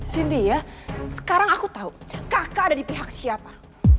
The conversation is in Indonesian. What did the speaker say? cindy ya sekarang aku tahu kakak ada di pihak siapa